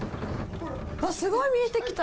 わっ、すごい見えてきた。